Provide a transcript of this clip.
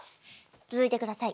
続いてください。